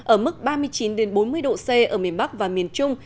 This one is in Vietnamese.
ở mức ba mươi chín bốn mươi độ c ở miền bắc và miền trung